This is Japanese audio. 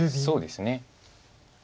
そうですね。